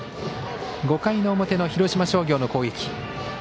５回の表の広島商業の攻撃。